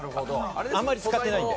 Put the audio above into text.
あんまり使っていないので。